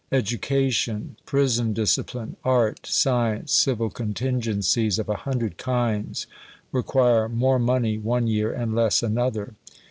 Education, prison discipline, art, science, civil contingencies of a hundred kinds, require more money one year and less another.